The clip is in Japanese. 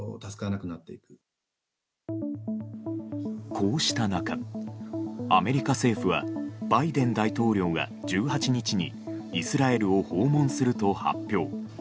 こうした中、アメリカ政府はバイデン大統領が１８日にイスラエルを訪問すると発表。